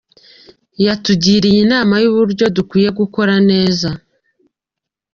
Yatugiriye inama z’uburyo dukwiye gukora neza.